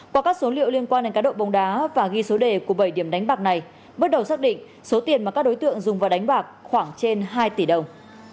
qua các số liệu liên quan đến cá độ bóng đá và ghi số đề của bảy điểm đánh bạc này bước đầu xác định số tiền mà các đối tượng dùng và đánh bạc khoảng trên hai tỷ đồng